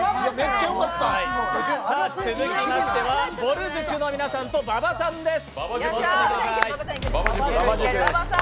続きましてはぼる塾の皆さんと馬場さんです。